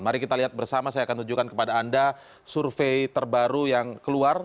mari kita lihat bersama saya akan tunjukkan kepada anda survei terbaru yang keluar